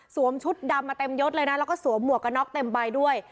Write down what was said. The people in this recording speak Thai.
ชุดดำมาเต็มยดเลยนะแล้วก็สวมหวกกระน็อกเต็มใบด้วย